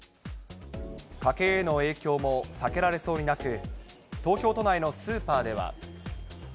家計への影響も避けられそうになく、東京都内のスーパーでは。